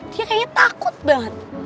dia kayaknya takut banget